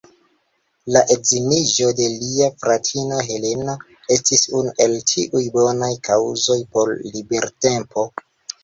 La edziniĝo de lia fratino Heleno estis unu el tiuj bonaj kaŭzoj por libertempo.